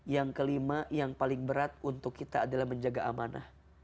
yang kelima yang paling berat untuk kita adalah menjaga amanah